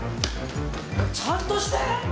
ちゃんとして！